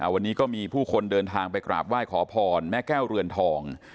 วันนี้ก็มีผู้คนเดินทางไปกราบไหว้ขอพรแม่แก้วเรือนทอง